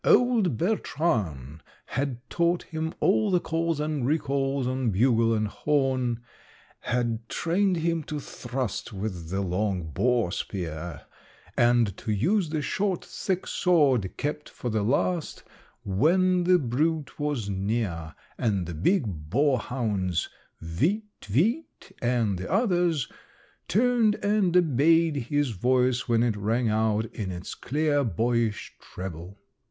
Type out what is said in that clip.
Old Bertrand had taught him all the calls and recalls on bugle and horn, had trained him to thrust with the long boar spear, and to use the short, thick sword kept for the last when the brute was near, and the big boar hounds Vite Vite, and the others, turned and obeyed his voice when it rang out in its clear, boyish treble.